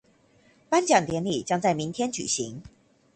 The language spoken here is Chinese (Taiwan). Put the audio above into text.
頒獎典禮將在明天舉行